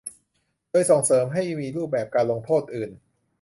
โดยส่งเสริมให้มีรูปแบบการลงโทษอื่น